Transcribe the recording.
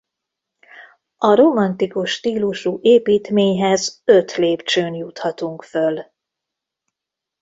A romantikus stílusú építményhez öt lépcsőn juthatunk föl.